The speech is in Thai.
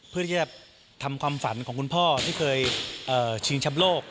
เพื่อที่จะทำความฝันของคุณพ่อที่เคยชิงชำโลก